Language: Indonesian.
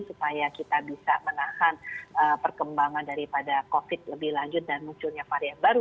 supaya kita bisa menahan perkembangan daripada covid lebih lanjut dan munculnya varian baru